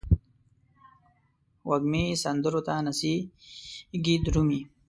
وږمې سندرو ته نڅیږې درومې